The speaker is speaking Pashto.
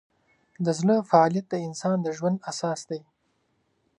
د زړه فعالیت د انسان د ژوند اساس دی.